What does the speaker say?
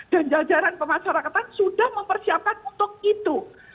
dan jajaran pemasarakatan sudah mempersiapkan untuk itu